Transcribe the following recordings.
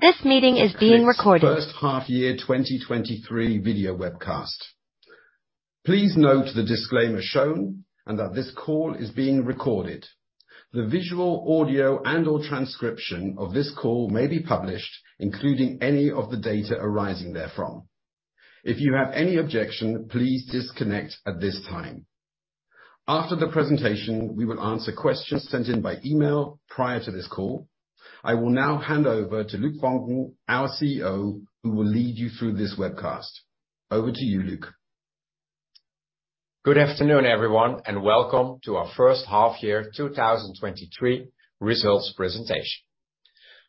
CLIQ's First Half Year 2023 Video Webcast. Please note the disclaimer shown and that this call is being recorded. The visual, audio, and/or transcription of this call may be published, including any of the data arising therefrom. If you have any objection, please disconnect at this time. After the presentation, we will answer questions sent in by email prior to this call. I will now hand over to Luc Voncken, our CEO, who will lead you through this webcast. Over to you, Luc. Good afternoon, everyone, welcome to our first half year 2023 results presentation.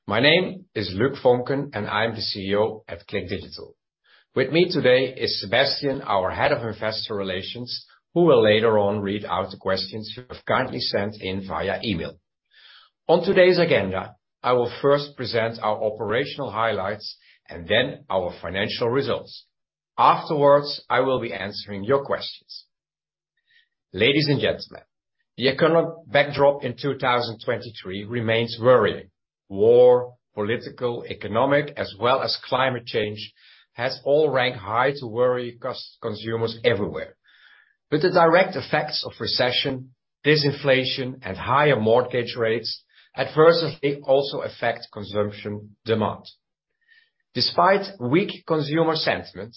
My name is Luc Voncken, I'm the CEO at CLIQ Digital. With me today is Sebastian, our Head of Investor Relations, who will later on read out the questions you have kindly sent in via email. On today's agenda, I will first present our operational highlights and then our financial results. Afterwards, I will be answering your questions. Ladies and gentlemen, the economic backdrop in 2023 remains worrying. War, political, economic, as well as climate change, has all ranked high to worry consumers everywhere. The direct effects of recession, disinflation, and higher mortgage rates adversely also affect consumption demand. Despite weak consumer sentiment,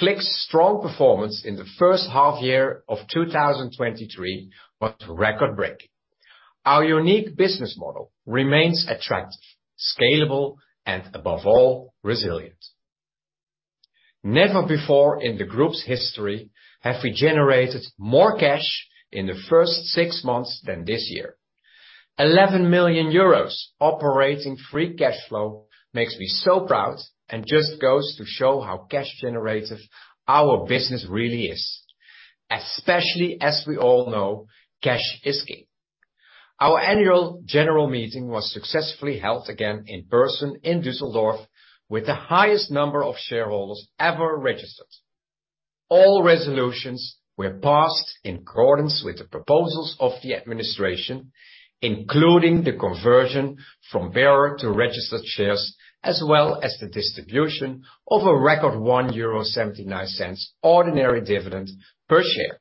CLIQ's strong performance in the first half year of 2023 was record-breaking. Our unique business model remains attractive, scalable, and above all, resilient. Never before in the group's history have, we generated more cash in the first six months than this year. 11 million euros operating free cash flow makes me so proud and just goes to show how cash generative our business really is, especially as we all know, cash is king. Our annual general meeting was successfully held again in person in Dusseldorf, with the highest number of shareholders ever registered. All resolutions were passed in accordance with the proposals of the administration, including the conversion from bearer to registered shares, as well as the distribution of a record 1.79 euro ordinary dividend per share.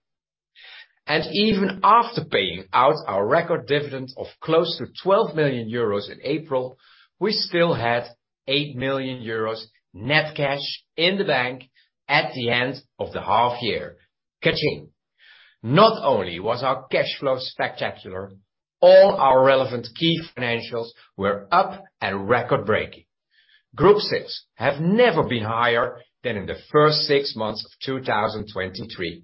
Even after paying out our record dividend of close to 12 million euros in April, we still had 8 million euros net cash in the bank at the end of the half year. Ka-ching! Not only was our cash flow spectacular, all our relevant key financials were up and record-breaking. Group sales have never been higher than in the first 6 months of 2023.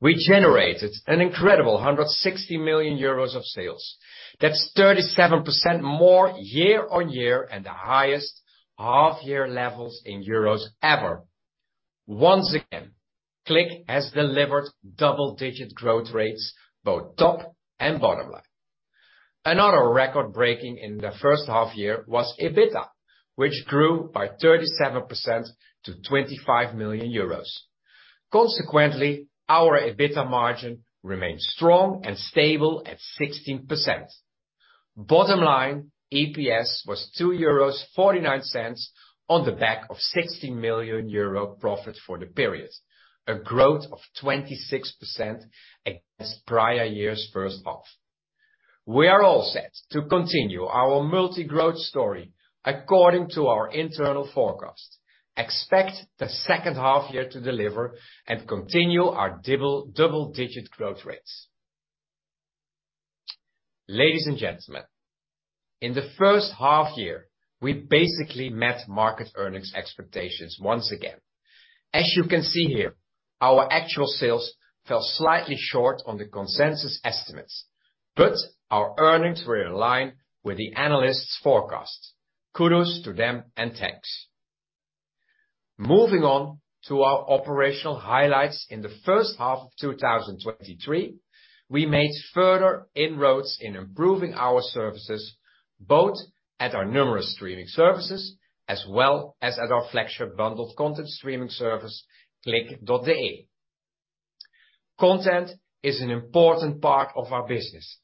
We generated an incredible 160 million euros of sales. That's 37% more year-on-year and the highest half-year levels in EUR ever. Once again, CLIQ has delivered double-digit growth rates, both top and bottom line. Another record-breaking in the first half-year was EBITDA, which grew by 37% to 25 million euros. Consequently, our EBITDA margin remains strong and stable at 16%. Bottom line, EPS was 2.49 euros on the back of 16 million euro profit for the period, a growth of 26% against prior year's first half. We are all set to continue our multi growth story according to our internal forecast. Expect the second half year to deliver and continue our double-digit growth rates. Ladies and gentlemen, in the first half year, we basically met market earnings expectations once again. As you can see here, our actual sales fell slightly short on the consensus estimates, but our earnings were in line with the analysts' forecasts. Kudos to them, thanks. Moving on to our operational highlights in the first half of 2023, we made further inroads in improving our services, both at our numerous streaming services as well as at our flagship bundled content streaming service, cliq.de. Content is an important part of our business.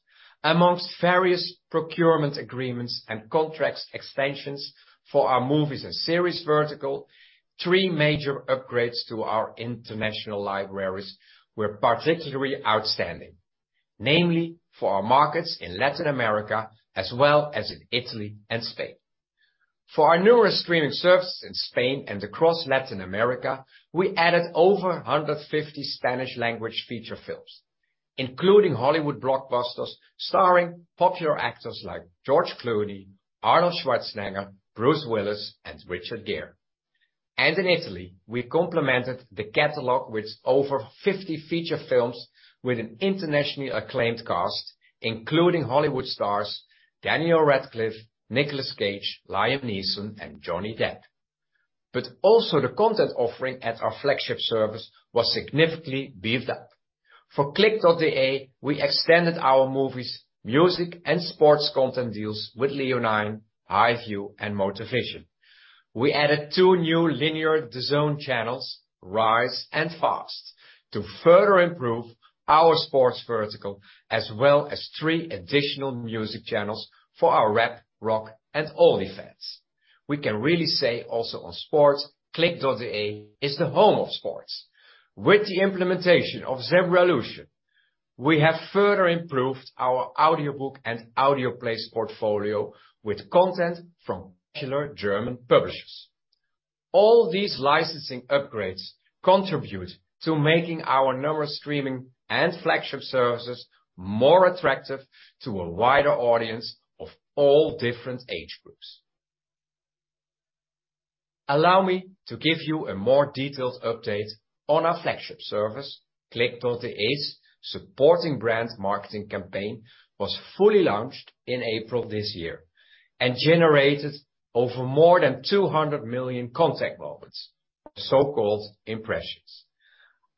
Amongst various procurement agreements and contracts extensions for our movies and series vertical, three major upgrades to our international libraries were particularly outstanding, namely for our markets in Latin America, as well as in Italy and Spain. For our numerous streaming services in Spain and across Latin America, we added over 150 Spanish language feature films, including Hollywood blockbusters starring popular actors like George Clooney, Arnold Schwarzenegger, Bruce Willis, and Richard Gere. In Italy, we complemented the catalog with over 50 feature films with an internationally acclaimed cast, including Hollywood stars Daniel Radcliffe, Nicolas Cage, Liam Neeson, and Johnny Depp. Also the content offering at our flagship service was significantly beefed up. For cliq.de, we extended our movies, music, and sports content deals with LEONINE, High View, and Motorvision. We added 2 new linear DAZN channels, Rise and Fast, to further improve our sports vertical, as well as 3 additional music channels for our rap, rock, and oldie fans. We can really say also on sports, cliq.de is the home of sports. With the implementation of Zebralution, we have further improved our audiobook and audio plays portfolio with content from popular German publishers. All these licensing upgrades contribute to making our numerous streaming and flagship services more attractive to a wider audience of all different age groups. Allow me to give you a more detailed update on our flagship service. cliq.de's supporting brand marketing campaign was fully launched in April this year, and generated over more than 200 million contact moments, so-called impressions.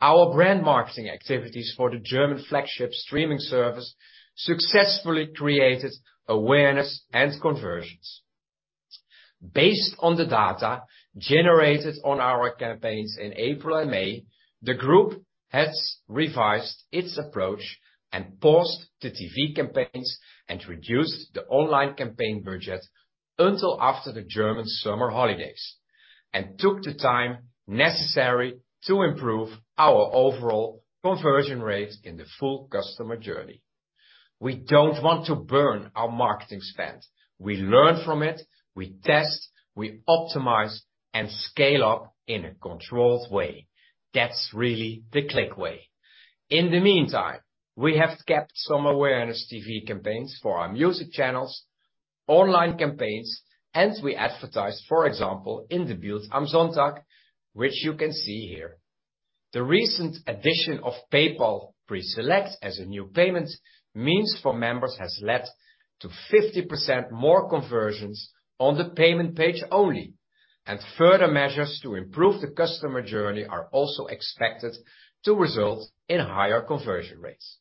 Our brand marketing activities for the German flagship streaming service successfully created awareness and conversions. Based on the data generated on our campaigns in April and May, the group has revised its approach and paused the TV campaigns, and reduced the online campaign budget until after the German summer holidays, and took the time necessary to improve our overall conversion rate in the full customer journey. We don't want to burn our marketing spend. We learn from it, we test, we optimize, and scale up in a controlled way. That's really the CLIQ way. In the meantime, we have kept some awareness TV campaigns for our music channels, online campaigns, and we advertise, for example, in the Bild am Sonntag, which you can see here. The recent addition of PayPal Preselect as a new payment means for members, has led to 50% more conversions on the payment page only, and further measures to improve the customer journey are also expected to result in higher conversion rates.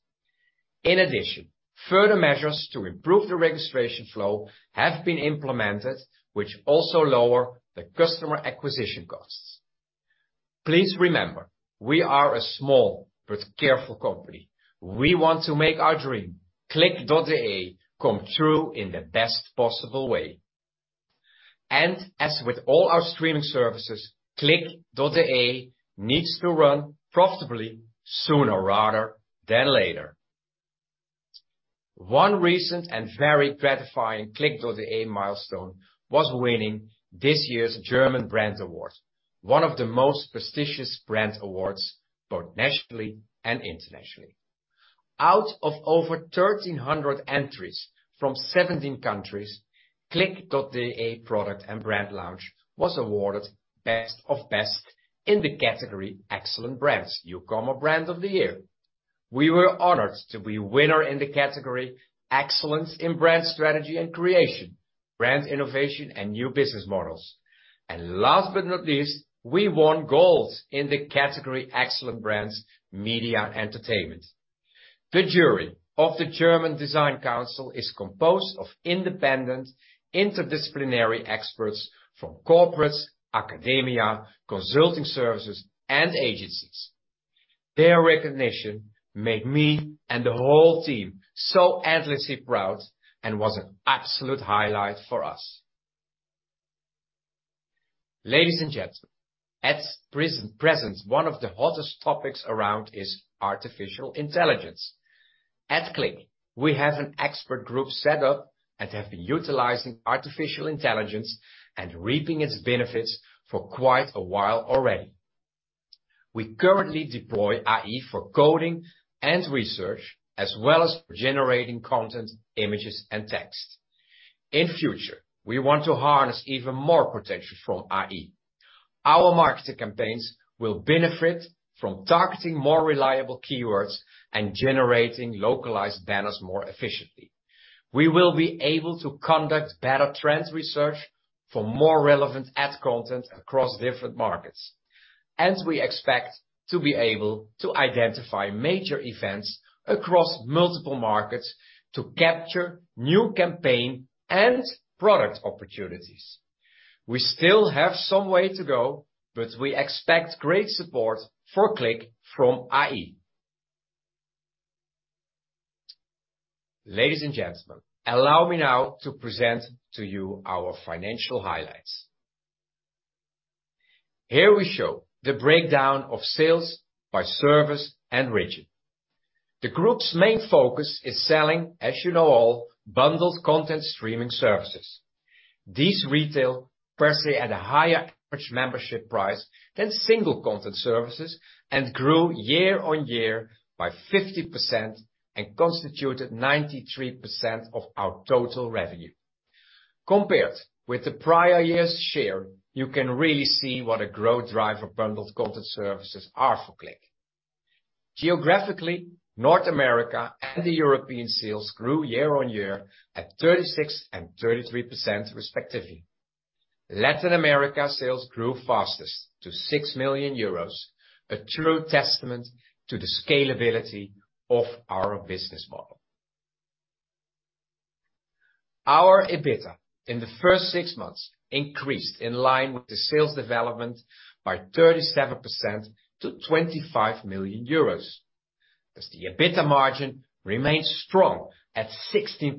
Further measures to improve the registration flow have been implemented, which also lower the customer acquisition costs. Please remember, we are a small but careful company. We want to make our dream, cliq.de, come true in the best possible way. As with all our streaming services, cliq.de needs to run profitably sooner rather than later. One recent and very gratifying cliq.de milestone was winning this year's German Brand Award, one of the most prestigious brand awards, both nationally and internationally. Out of over 1,300 entries from 17 countries, cliq.de product and brand launch was awarded Best of Best in the category Excellent Brands, E-Commerce Brand of the Year. We were honored to be winner in the category Excellence in Brand Strategy and Creation, Brand Innovation and New Business Models. Last but not least, we won gold in the category Excellent Brands, Media and Entertainment. The jury of the German Design Council is composed of independent, interdisciplinary experts from corporates, academia, consulting services, and agencies. Their recognition made me and the whole team so endlessly proud and was an absolute highlight for us. Ladies and gentlemen, at present, present, one of the hottest topics around is artificial intelligence. At CLIQ, we have an expert group set up and have been utilizing artificial intelligence and reaping its benefits for quite a while already. We currently deploy AI for coding and research, as well as for generating content, images, and text. In future, we want to harness even more potential from AI. Our marketing campaigns will benefit from targeting more reliable keywords and generating localized banners more efficiently. We will be able to conduct better trend research for more relevant ad content across different markets. We expect to be able to identify major events across multiple markets to capture new campaign and product opportunities. We still have some way to go, but we expect great support for CLIQ from AI. Ladies and gentlemen, allow me now to present to you our financial highlights. Here we show the breakdown of sales by service and region. The group's main focus is selling, as you know, all bundled content streaming services. These retail firstly at a higher average membership price than single content services, and grew year-over-year by 50%, and constituted 93% of our total revenue. Compared with the prior year's share, you can really see what a growth driver bundled content services are for CLIQ. Geographically, North America and the European sales grew year-over-year at 36% and 33% respectively. Latin America sales grew fastest to 6 million euros, a true testament to the scalability of our business model. Our EBITDA in the first six months increased in line with the sales development by 37% to 25 million euros, as the EBITDA margin remains strong at 16%,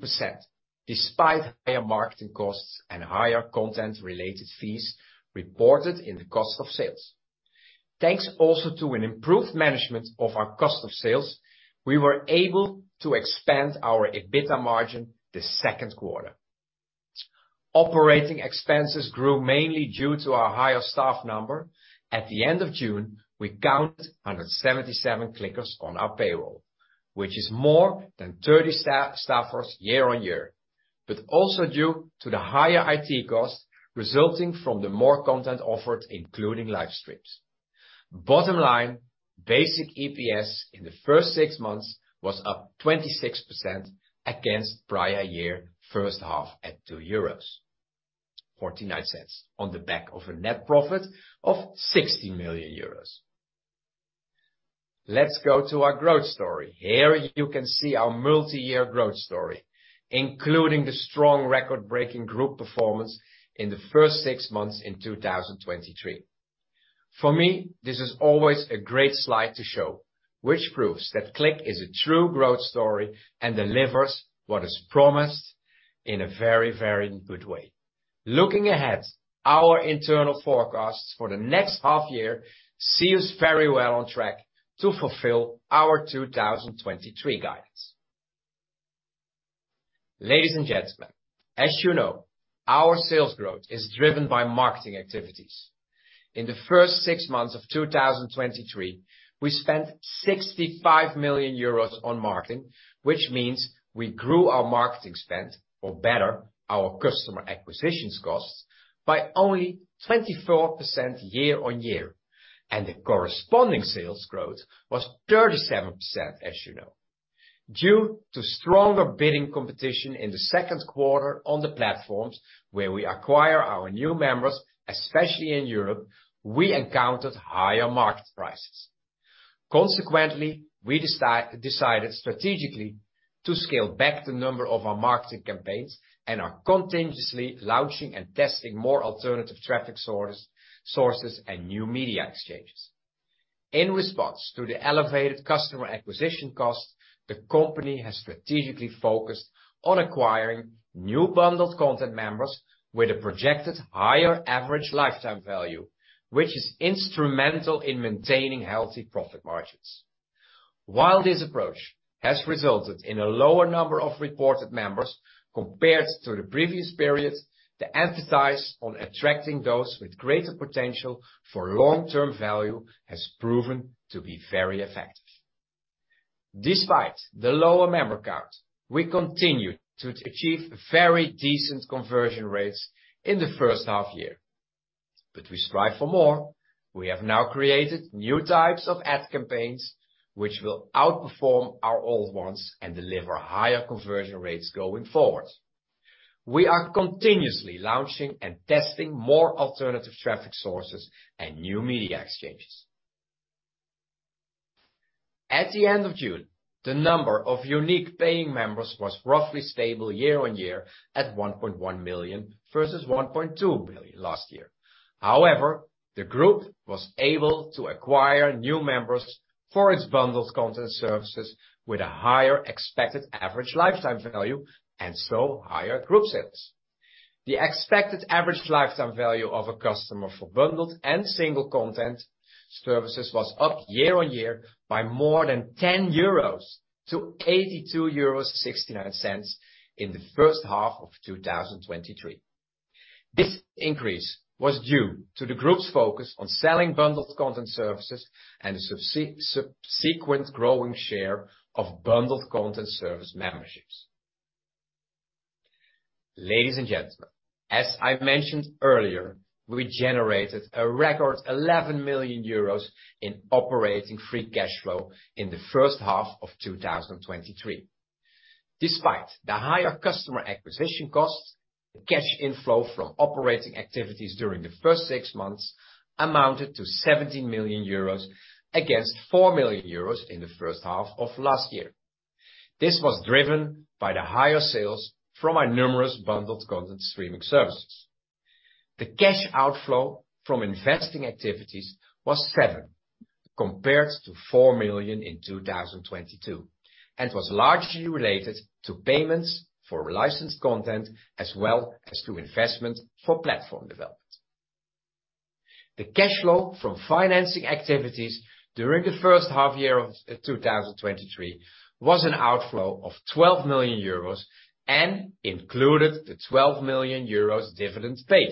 despite higher marketing costs and higher content related fees reported in the cost of sales. Thanks also to an improved management of our cost of sales, we were able to expand our EBITDA margin the second quarter. Operating expenses grew mainly due to our higher staff number. At the end of June, we counted 177 CLIQers on our payroll, which is more than 30 staffers year-over-year, but also due to the higher IT costs resulting from the more content offered, including live streams. Bottom line, basic EPS in the first six months was up 26% against prior year, first half at 2.49 euros on the back of a net profit of 60 million euros. Let's go to our growth story. Here you can see our multi-year growth story, including the strong record-breaking group performance in the first six months in 2023. For me, this is always a great slide to show, which proves that CLIQ is a true growth story and delivers what is promised in a very, very good way. Looking ahead, our internal forecasts for the next half year see us very well on track to fulfill our 2023 guidance. Ladies and gentlemen, as you know, our sales growth is driven by marketing activities. In the first six months of 2023, we spent 65 million euros on marketing, which means we grew our marketing spend, or better, our customer acquisitions costs, by only 24% year on year. The corresponding sales growth was 37%, as you know. Due to stronger bidding competition in the second quarter on the platforms where we acquire our new members, especially in Europe, we encountered higher market prices. Consequently, we decided strategically to scale back the number of our marketing campaigns and are continuously launching and testing more alternative traffic sources and new media exchanges. In response to the elevated customer acquisition cost, the company has strategically focused on acquiring new bundled content members with a projected higher average lifetime value, which is instrumental in maintaining healthy profit margins. While this approach has resulted in a lower number of reported members compared to the previous period, the emphasis on attracting those with greater potential for long-term value has proven to be very effective. Despite the lower member count, we continued to achieve very decent conversion rates in the first half year, but we strive for more. We have now created new types of ad campaigns, which will outperform our old ones and deliver higher conversion rates going forward. We are continuously launching and testing more alternative traffic sources and new media exchanges. At the end of June, the number of unique paying members was roughly stable year on year at 1.1 million versus 1.2 million last year. However, the group was able to acquire new members for its bundled content services with a higher expected average lifetime value, and so higher group sales. The expected average lifetime value of a customer for bundled and single content services was up year-over-year by more than 10 euros to 82.69 euros in the first half of 2023. This increase was due to the group's focus on selling bundled content services and subsequent growing share of bundled content service memberships. Ladies and gentlemen, as I mentioned earlier, we generated a record 11 million euros in operating free cash flow in the first half of 2023. Despite the higher customer acquisition costs, the cash inflow from operating activities during the first six months amounted to 17 million euros, against 4 million euros in the first half of last year. This was driven by the higher sales from our numerous bundled content streaming services. The cash outflow from investing activities was 7, compared to 4 million in 2022, and was largely related to payments for licensed content as well as to investment for platform development. The cash flow from financing activities during the first half year of 2023 was an outflow of 12 million euros and included the 12 million euros dividend paid.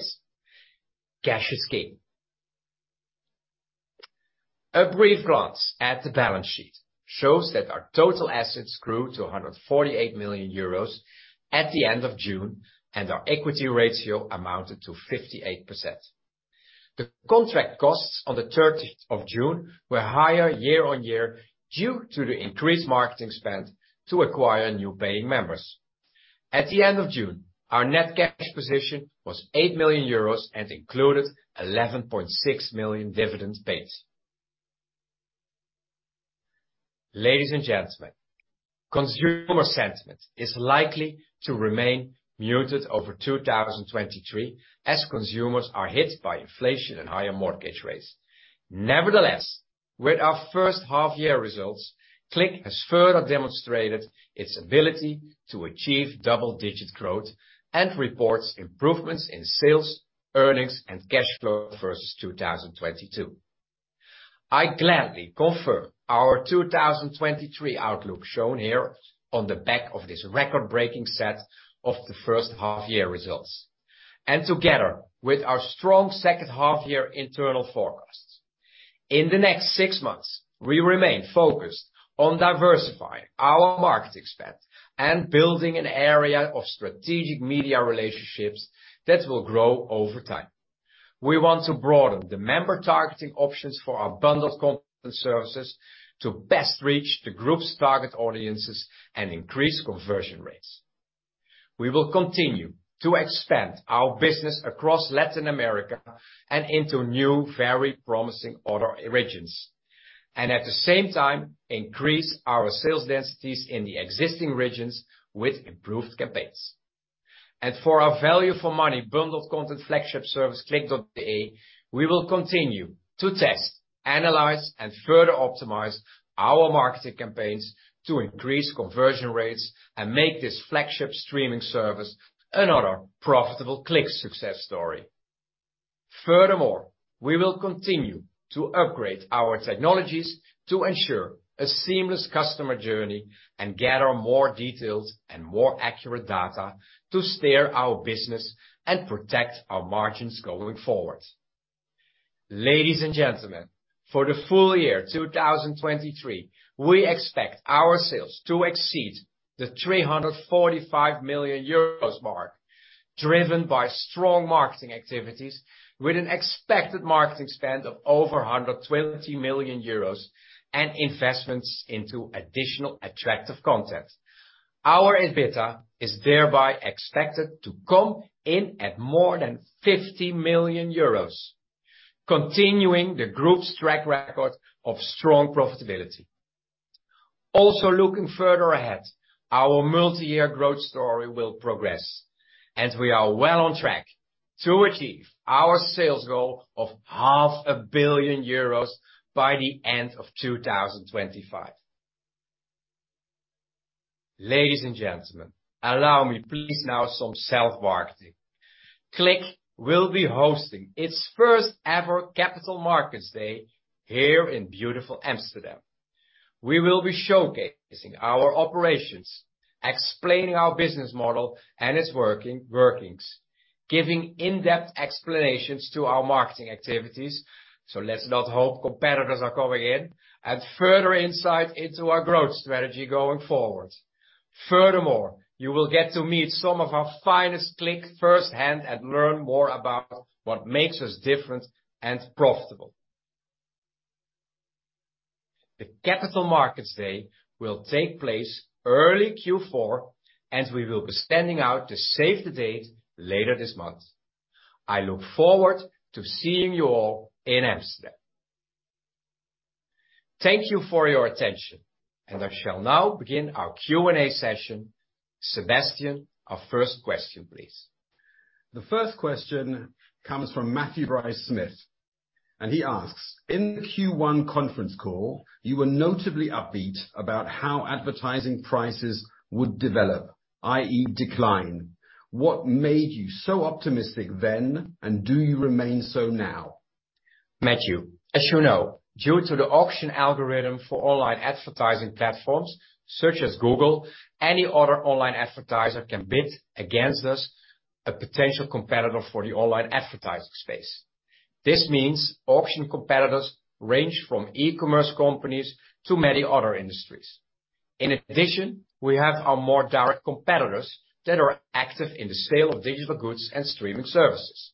Cash is king. A brief glance at the balance sheet shows that our total assets grew to 148 million euros at the end of June, and our equity ratio amounted to 58%. The contract costs on the 13th of June were higher year-over-year, due to the increased marketing spend to acquire new paying members. At the end of June, our net cash position was 8 million euros and included 11.6 million dividend pays. Ladies and gentlemen, consumer sentiment is likely to remain muted over 2023, as consumers are hit by inflation and higher mortgage rates. Nevertheless, with our first half year results, CLIQ has further demonstrated its ability to achieve double-digit growth and reports improvements in sales, earnings, and cash flow versus 2022. I gladly confirm our 2023 outlook shown here on the back of this record-breaking set of the first half year results, and together with our strong second half year internal forecasts. In the next six months, we remain focused on diversifying our marketing spend and building an area of strategic media relationships that will grow over time. We want to broaden the member targeting options for our bundled content services to best reach the group's target audiences and increase conversion rates. We will continue to expand our business across Latin America and into new, very promising other regions, and at the same time, increase our sales densities in the existing regions with improved campaigns. For our value for money, bundled content flagship service, cliq.de, we will continue to test, analyze, and further optimize our marketing campaigns to increase conversion rates and make this flagship streaming service another profitable CLIQ success story. Furthermore, we will continue to upgrade our technologies to ensure a seamless customer journey and gather more detailed and more accurate data to steer our business and protect our margins going forward. Ladies and gentlemen, for the full year 2023, we expect our sales to exceed the 345 million euros mark, driven by strong marketing activities with an expected marketing spend of over 120 million euros and investments into additional attractive content. Our EBITDA is thereby expected to come in at more than 50 million euros, continuing the group's track record of strong profitability. Looking further ahead, our multi-year growth story will progress, and we are well on track to achieve our sales goal of 500 million euros by the end of 2025. Ladies and gentlemen, allow me, please, now, some self-marketing. CLIQ will be hosting its first ever Capital Markets Day here in beautiful Amsterdam.We will be showcasing our operations, explaining our business model and its workings, giving in-depth explanations to our marketing activities, so let's not hope competitors are coming in, and further insight into our growth strategy going forward. Furthermore, you will get to meet some of our finest CLIQers firsthand and learn more about what makes us different and profitable. The Capital Markets Day will take place early Q4, and we will be sending out the save the date later this month. I look forward to seeing you all in Amsterdam. Thank you for your attention, and I shall now begin our Q&A session. Sebastian, our first question, please. The first question comes from Matthew Bryce-Smith. He asks: In the Q1 conference call, you were notably upbeat about how advertising prices would develop, i.e., decline. What made you so optimistic then, and do you remain so now? Matthew, as you know, due to the auction algorithm for online advertising platforms such as Google, any other online advertiser can bid against us, a potential competitor for the online advertising space. This means auction competitors range from e-commerce companies to many other industries. In addition, we have our more direct competitors that are active in the sale of digital goods and streaming services.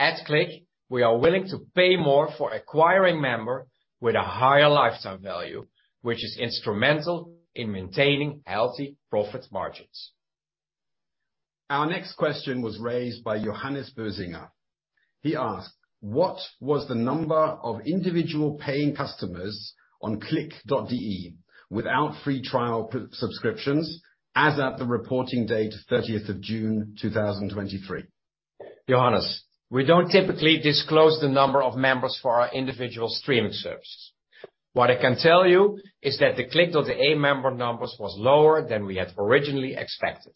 At CLIQ, we are willing to pay more for acquiring member with a higher lifetime value, which is instrumental in maintaining healthy profit margins. Our next question was raised by Johannes Bözinger. He asked: What was the number of individual paying customers on cliq.de without free trial sub-subscriptions as at the reporting date, 30th of June, 2023? Johannes, we don't typically disclose the number of members for our individual streaming service. What I can tell you is that the cliq.de member numbers was lower than we had originally expected.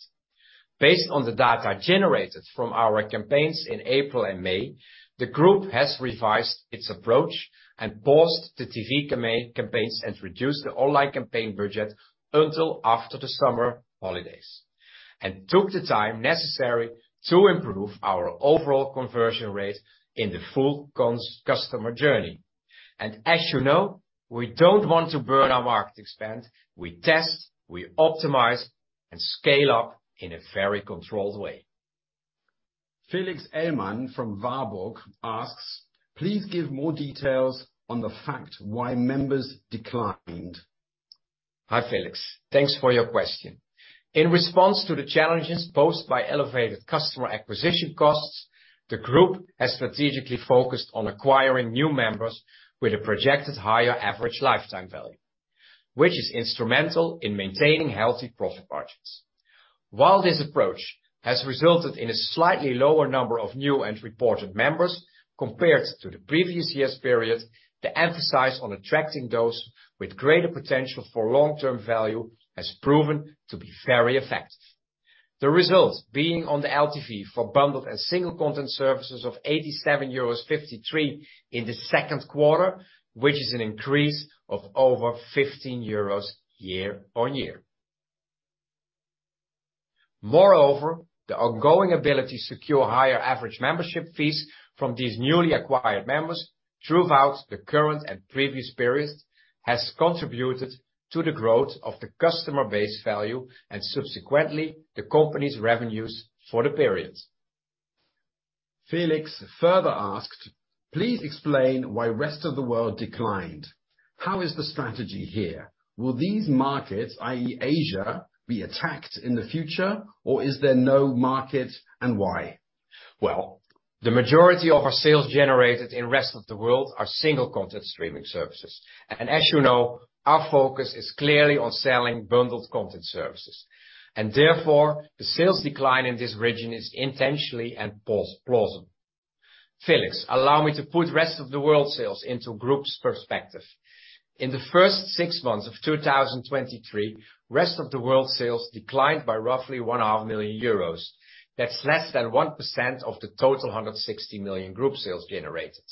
Based on the data generated from our campaigns in April and May, the group has revised its approach and paused the TV campaigns and reduced the online campaign budget until after the summer holidays, and took the time necessary to improve our overall conversion rate in the full customer journey. As you know, we don't want to burn our marketing spend. We test, we optimize, and scale up in a very controlled way. Felix Ellmann from Warburg asks: Please give more details on the fact why members declined? Hi, Felix. Thanks for your question. In response to the challenges posed by elevated customer acquisition costs, the group has strategically focused on acquiring new members with a projected higher average lifetime value, which is instrumental in maintaining healthy profit margins. While this approach has resulted in a slightly lower number of new and reported members compared to the previous year's period, the emphasis on attracting those with greater potential for long-term value has proven to be very effective. The result being on the LTV for bundled and single content services of 87.53 euros in the second quarter, which is an increase of over 15 euros year-on-year. Moreover, the ongoing ability to secure higher average membership fees from these newly acquired members throughout the current and previous periods, has contributed to the growth of the customer base value and subsequently, the company's revenues for the period. Felix further asked: Please explain why Rest of the World declined. How is the strategy here? Will these markets, i.e., Asia, be attacked in the future, or is there no market, and why? Well, the majority of our sales generated in Rest of the World are single content streaming services, and as you know, our focus is clearly on selling bundled content services, and therefore, the sales decline in this region is intentionally and plausible. Felix, allow me to put Rest of the World sales into group's perspective. In the first 6 months of 2023, Rest of the World sales declined by roughly 1.5 million euros. That's less than 1% of the total 160 million group sales generated.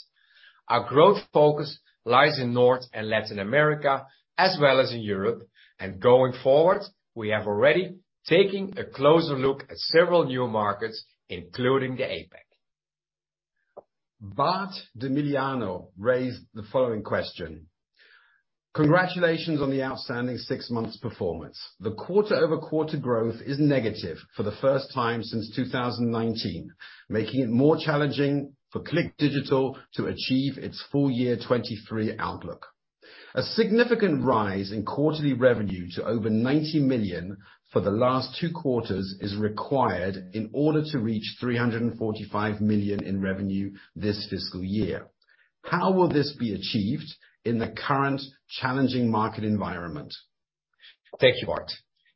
Our growth focus lies in North and Latin America, as well as in Europe, and going forward, we have already taken a closer look at several new markets, including the APAC. Bart Demiliano raised the following question: Congratulations on the outstanding six months performance. The quarter-over-quarter growth is negative for the first time since 2019, making it more challenging for CLIQ Digital to achieve its full year 2023 outlook. A significant rise in quarterly revenue to over 90 million for the last two quarters is required in order to reach 345 million in revenue this fiscal year. How will this be achieved in the current challenging market environment? Thank you, Bart.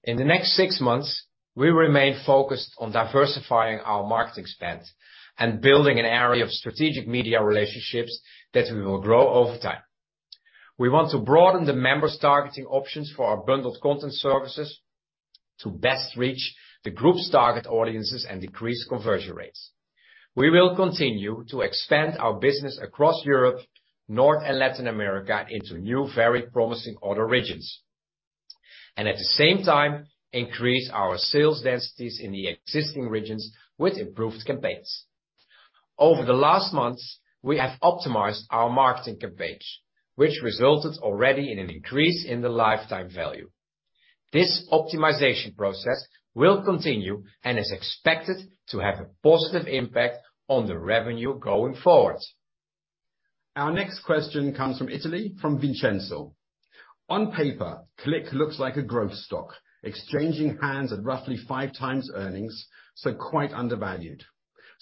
In the next 6 months, we will remain focused on diversifying our marketing spend and building an area of strategic media relationships that we will grow over time. We want to broaden the members' targeting options for our bundled content services to best reach the group's target audiences and decrease conversion rates. We will continue to expand our business across Europe, North and Latin America into new, very promising other regions, and at the same time, increase our sales densities in the existing regions with improved campaigns. Over the last months, we have optimized our marketing campaigns, which resulted already in an increase in the lifetime value. This optimization process will continue and is expected to have a positive impact on the revenue going forward. Our next question comes from Italy, from Vincenzo. On paper, CLIQ looks like a growth stock, exchanging hands at roughly 5 times earnings, so quite undervalued.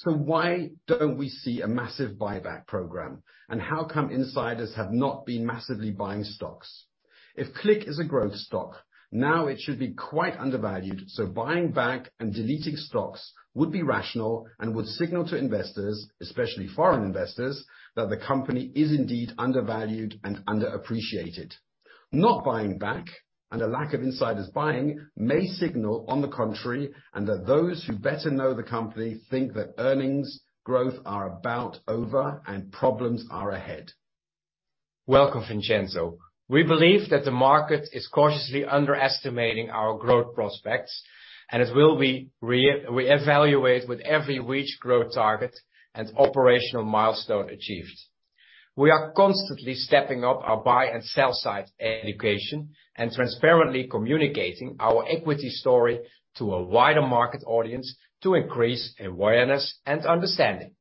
Why don't we see a massive buyback program? How come insiders have not been massively buying stocks? If CLIQ is a growth stock, now it should be quite undervalued, so buying back and deleting stocks would be rational and would signal to investors, especially foreign investors, that the company is indeed undervalued and underappreciated. Not buying back and a lack of insiders buying may signal on the contrary, and that those who better know the company think that earnings growth are about over and problems are ahead. Welcome, Vincenzo. We believe that the market is cautiously underestimating our growth prospects, and as will we reevaluate with every reach growth target and operational milestone achieved. We are constantly stepping up our buy and sell side education and transparently communicating our equity story to a wider market audience to increase awareness and understanding.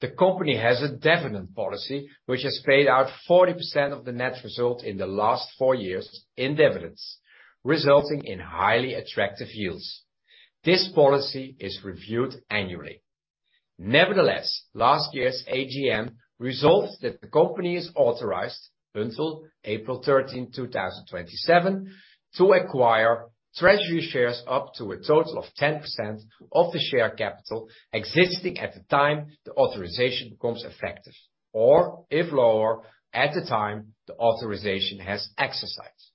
The company has a dividend policy, which has paid out 40% of the net result in the last four years in dividends, resulting in highly attractive yields. This policy is reviewed annually. Nevertheless, last year's AGM resolved that the company is authorized until April 13, 2027, to acquire treasury shares up to a total of 10% of the share capital existing at the time the authorization becomes effective, or if lower, at the time the authorization has exercised.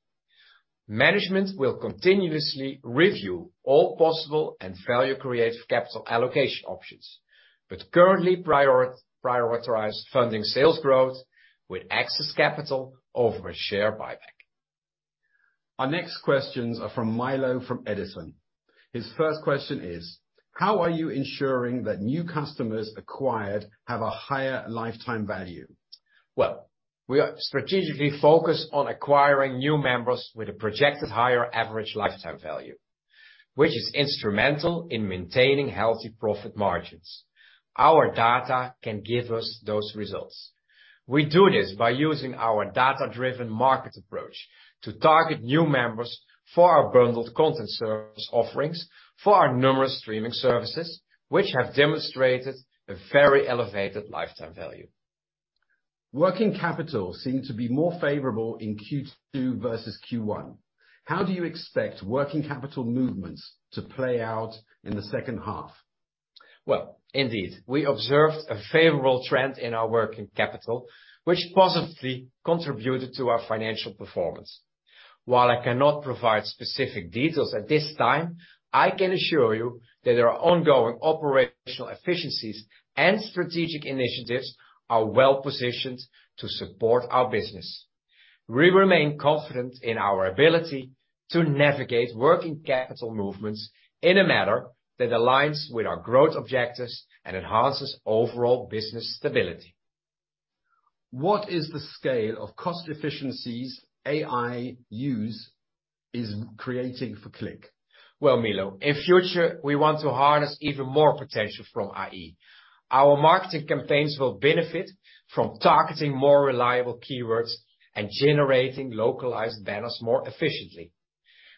Management will continuously review all possible and value-creative capital allocation options. Currently prioritizes funding sales growth with access capital over a share buyback. Our next questions are from Milosz, from Edison. His first question is: How are you ensuring that new customers acquired have a higher lifetime value? Well, we are strategically focused on acquiring new members with a projected higher average lifetime value, which is instrumental in maintaining healthy profit margins. Our data can give us those results. We do this by using our data-driven market approach to target new members for our bundled content service offerings, for our numerous streaming services, which have demonstrated a very elevated lifetime value. Working capital seem to be more favorable in Q2 versus Q1. How do you expect working capital movements to play out in the second half? Well, indeed, we observed a favorable trend in our working capital, which positively contributed to our financial performance. While I cannot provide specific details at this time, I can assure you that our ongoing operational efficiencies and strategic initiatives are well-positioned to support our business. We remain confident in our ability to navigate working capital movements in a manner that aligns with our growth objectives and enhances overall business stability. What is the scale of cost efficiencies AI use is creating for CLIQ? Well, Milo, in future, we want to harness even more potential from AI. Our marketing campaigns will benefit from targeting more reliable keywords and generating localized banners more efficiently.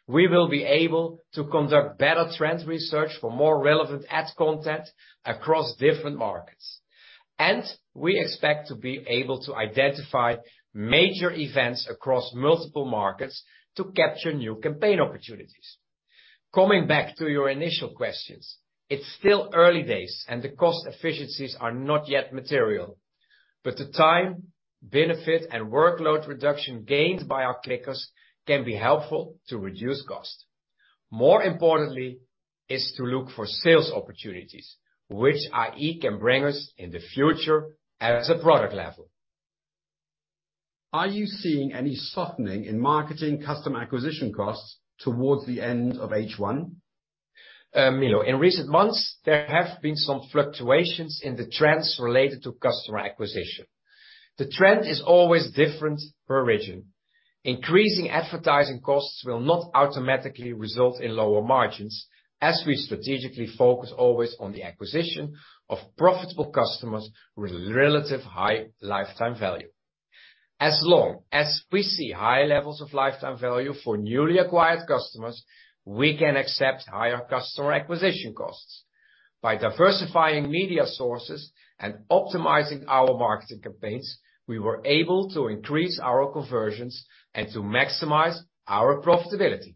We will be able to conduct better trend research for more relevant ad content across different markets. We expect to be able to identify major events across multiple markets to capture new campaign opportunities. Coming back to your initial questions, it's still early days, and the cost efficiencies are not yet material, but the time, benefit, and workload reduction gained by our CLIQers can be helpful to reduce cost. More importantly is to look for sales opportunities, which AI can bring us in the future at a product level. Are you seeing any softening in marketing customer acquisition costs towards the end of H1? You know, in recent months, there have been some fluctuations in the trends related to customer acquisition. The trend is always different per region. Increasing advertising costs will not automatically result in lower margins, as we strategically focus always on the acquisition of profitable customers with relative high lifetime value. As long as we see high levels of lifetime value for newly acquired customers, we can accept higher customer acquisition costs. By diversifying media sources and optimizing our marketing campaigns, we were able to increase our conversions and to maximize our profitability.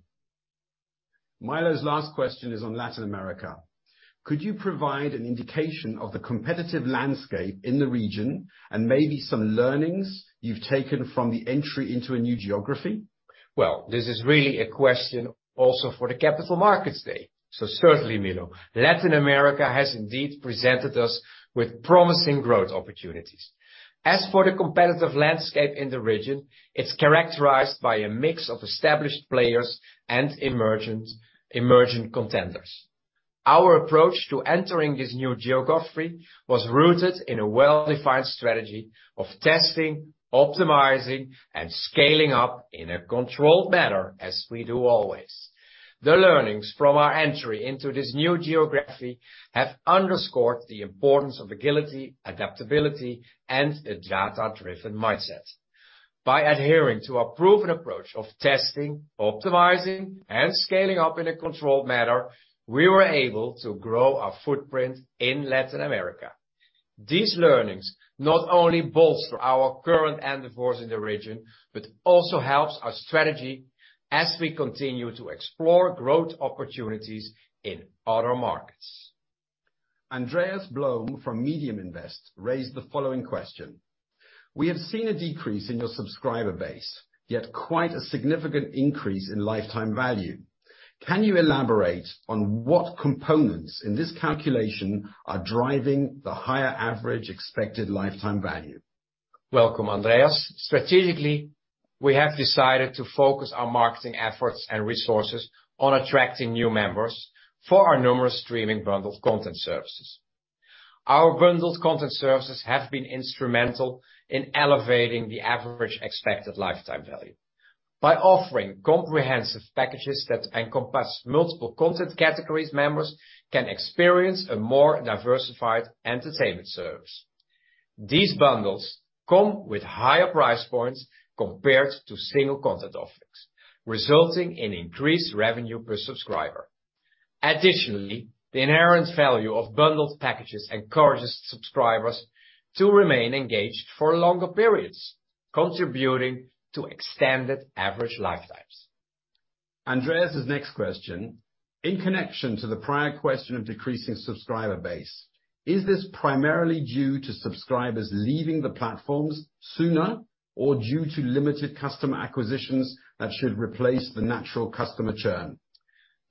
Milo's last question is on Latin America: Could you provide an indication of the competitive landscape in the region, and maybe some learnings you've taken from the entry into a new geography? This is really a question also for the Capital Markets Day. Certainly, Milo, Latin America has indeed presented us with promising growth opportunities. As for the competitive landscape in the region, it's characterized by a mix of established players and emergent, emergent contenders. Our approach to entering this new geography was rooted in a well-defined strategy of testing, optimizing, and scaling up in a controlled manner, as we do always. The learnings from our entry into this new geography have underscored the importance of agility, adaptability, and a data-driven mindset. By adhering to our proven approach of testing, optimizing, and scaling up in a controlled manner, we were able to grow our footprint in Latin America. These learnings not only bolster our current endeavors in the region, but also helps our strategy as we continue to explore growth opportunities in other markets. Andreas Blom from MediumInvest raised the following question: We have seen a decrease in your subscriber base, yet quite a significant increase in lifetime value. Can you elaborate on what components in this calculation are driving the higher average expected lifetime value? Welcome, Andreas. Strategically, we have decided to focus our marketing efforts and resources on attracting new members for our numerous streaming bundled content services. Our bundled content services have been instrumental in elevating the average expected lifetime value. By offering comprehensive packages that encompass multiple content categories, members can experience a more diversified entertainment service. These bundles come with higher price points compared to single content offerings, resulting in increased revenue per subscriber. Additionally, the inherent value of bundled packages encourages subscribers to remain engaged for longer periods, contributing to extended average lifetimes. Andreas' next question: In connection to the prior question of decreasing subscriber base, is this primarily due to subscribers leaving the platforms sooner or due to limited customer acquisitions that should replace the natural customer churn?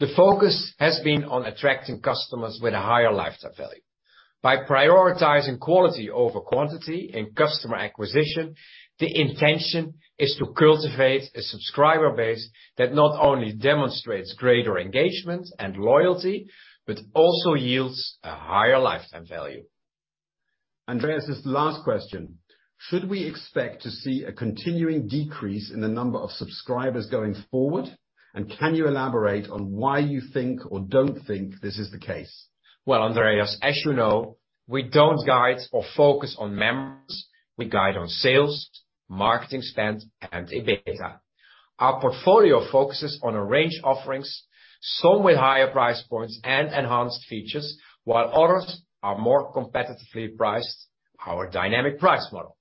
The focus has been on attracting customers with a higher lifetime value. By prioritizing quality over quantity in customer acquisition, the intention is to cultivate a subscriber base that not only demonstrates greater engagement and loyalty, but also yields a higher lifetime value. Andreas' last question: Should we expect to see a continuing decrease in the number of subscribers going forward? Can you elaborate on why you think or don't think this is the case? Well, Andreas, as you know, we don't guide or focus on members. We guide on sales, marketing spend, and EBITDA. Our portfolio focuses on a range offerings, some with higher price points and enhanced features, while others are more competitively priced, our dynamic price model.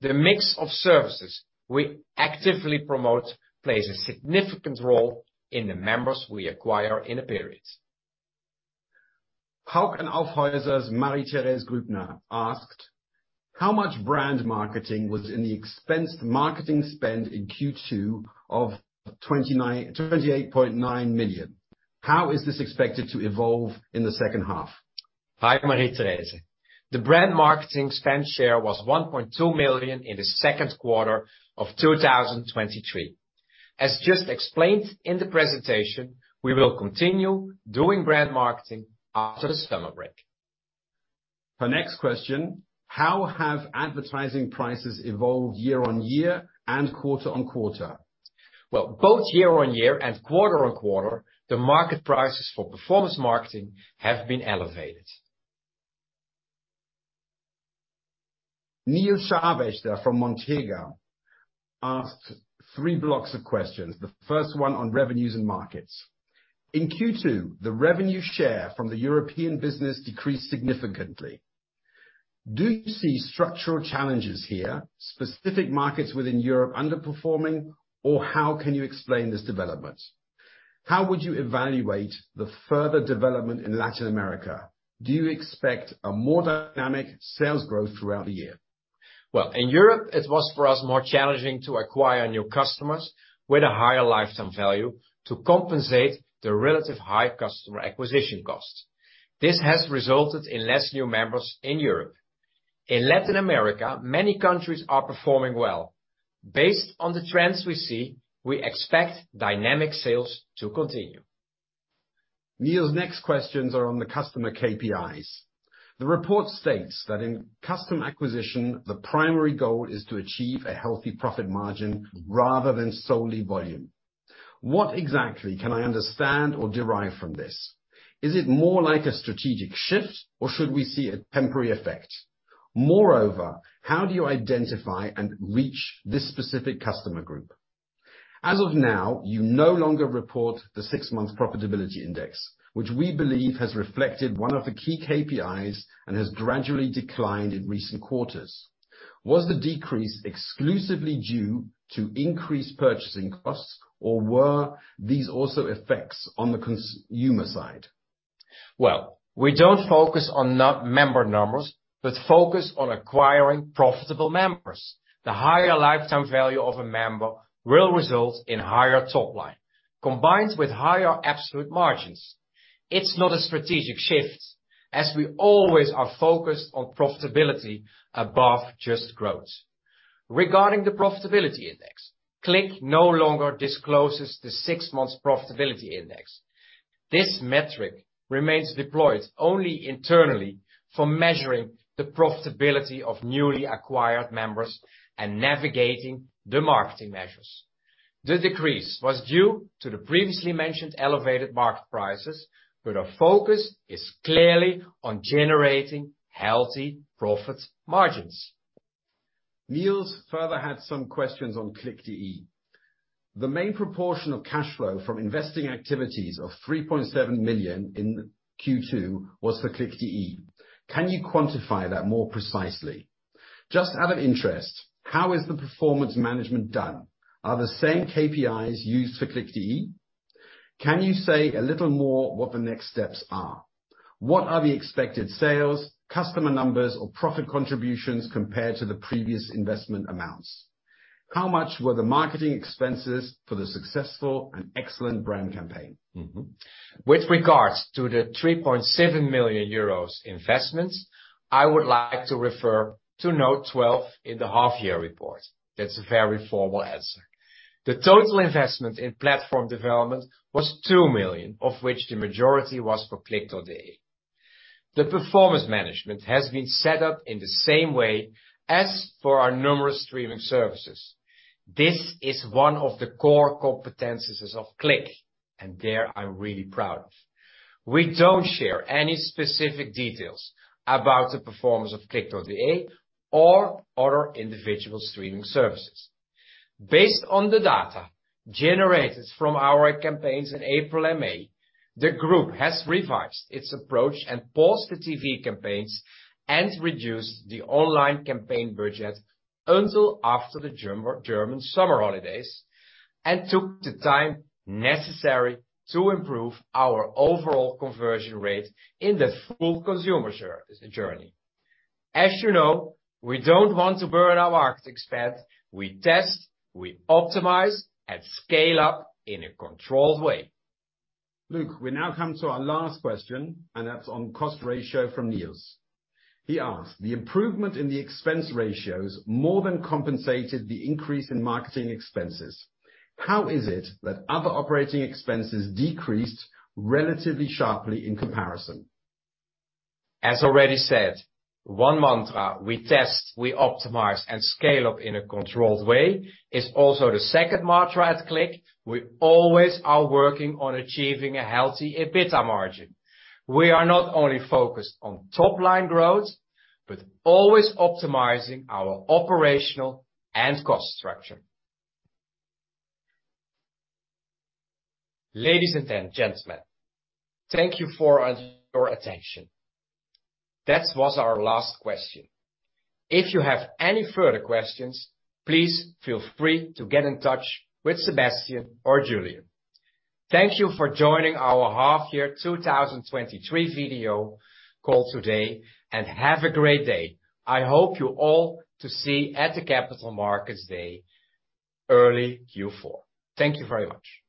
The mix of services we actively promote plays a significant role in the members we acquire in a period. Hauck & Aufhäuser's Marie-Thérèse Grübner asked: How much brand marketing was in the expense marketing spend in Q2 of 28.9 million? How is this expected to evolve in the second half? Hi, Marie-Therese. The brand marketing spend share was 1.2 million in the second quarter of 2023. As just explained in the presentation, we will continue doing brand marketing after the summer break. Her next question: How have advertising prices evolved year-on-year and quarter-on-quarter? Well, both year-on-year and quarter-on-quarter, the market prices for performance marketing have been elevated. Nils Scharwächter from Montega asked three blocks of questions, the first one on revenues and markets. In Q2, the revenue share from the European business decreased significantly. Do you see structural challenges here, specific markets within Europe underperforming, or how can you explain this development? How would you evaluate the further development in Latin America? Do you expect a more dynamic sales growth throughout the year? Well, in Europe, it was, for us, more challenging to acquire new customers with a higher lifetime value to compensate the relative high customer acquisition costs. This has resulted in less new members in Europe. In Latin America, many countries are performing well. Based on the trends we see, we expect dynamic sales to continue. Nils' next questions are on the customer KPIs. The report states that in customer acquisition, the primary goal is to achieve a healthy profit margin rather than solely volume. What exactly can I understand or derive from this? Is it more like a strategic shift, or should we see a temporary effect? Moreover, how do you identify and reach this specific customer group? As of now, you no longer report the 6-month profitability index, which we believe has reflected one of the key KPIs and has gradually declined in recent quarters. Was the decrease exclusively due to increased purchasing costs, or were these also effects on the consumer side? Well, we don't focus on member numbers but focus on acquiring profitable members. The higher lifetime value of a member will result in higher top line, combined with higher absolute margins. It's not a strategic shift, as we always are focused on profitability above just growth. Regarding the profitability index, CLIQ no longer discloses the six months profitability index. This metric remains deployed only internally for measuring the profitability of newly acquired members and navigating the marketing measures. The decrease was due to the previously mentioned elevated market prices, but our focus is clearly on generating healthy profit margins. Nils further had some questions on cliq.de. The main proportion of cash flow from investing activities of 3.7 million in Q2 was for cliq.de. Can you quantify that more precisely? Just out of interest, how is the performance management done? Are the same KPIs used for cliq.de? Can you say a little more what the next steps are? What are the expected sales, customer numbers, or profit contributions compared to the previous investment amounts? How much were the marketing expenses for the successful and excellent brand campaign? Mm-hmm. With regards to the 3.7 million euros investment, I would like to refer to note 12 in the half-year report. That's a very formal answer. The total investment in platform development was 2 million, of which the majority was for cliq.de. The performance management has been set up in the same way as for our numerous streaming services. This is one of the core competencies of CLIQ, and there, I'm really proud. We don't share any specific details about the performance of cliq.de or other individual streaming services. Based on the data generated from our campaigns in April and May, the group has revised its approach and paused the TV campaigns and reduced the online campaign budget until after the German summer holidays, and took the time necessary to improve our overall conversion rate in the full consumer journey. As you know, we don't want to burn our marketing spend. We test, we optimize, and scale up in a controlled way. Luc, we now come to our last question, and that's on cost ratio from Nils. He asked: The improvement in the expense ratios more than compensated the increase in marketing expenses. How is it that other operating expenses decreased relatively sharply in comparison? As already said, one mantra, we test, we optimize and scale up in a controlled way, is also the second mantra at CLIQ. We always are working on achieving a healthy EBITDA margin. We are not only focused on top-line growth, but always optimizing our operational and cost structure. Ladies and gentlemen, thank you for your attention. That was our last question. If you have any further questions, please feel free to get in touch with Sebastian or Julian. Thank you for joining our half year 2023 video call today. Have a great day. I hope you all to see at the Capital Markets Day, early Q4. Thank you very much.